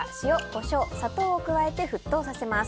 コショウ砂糖を加えて沸騰させます。